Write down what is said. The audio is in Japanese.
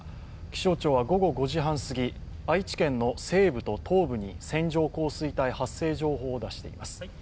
気象庁は午後５時半すぎ、愛知県の西部と東部に線状降水帯発生情報を出しています。